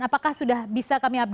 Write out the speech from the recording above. apakah sudah bisa kami update